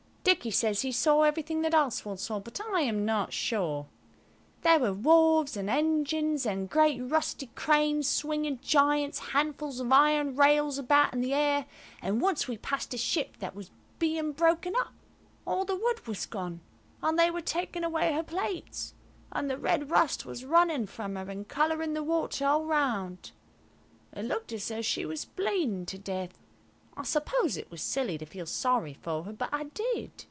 Dicky says he saw everything that Oswald saw, but I am not sure. There were wharves and engines, and great rusty cranes swinging giant's handfuls of iron rails about in the air, and once we passed a ship that was being broken up. All the wood was gone, and they were taking away her plates, and the red rust was running from her and colouring the water all round; it looked as though she was bleeding to death. I suppose it was silly to feel sorry for her, but I did.